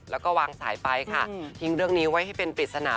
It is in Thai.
แล้วก็วางสายไปค่ะทิ้งเรื่องนี้ไว้ให้เป็นปริศนา